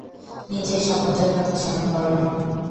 নিজের শপথের কথা স্মরণ করো।